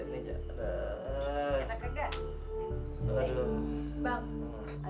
ini ini jangan